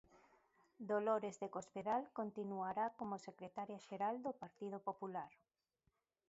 Dolores de Cospedal continuará como secretaria xeral do Partido Popular.